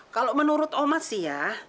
kalau menurut umat sih ya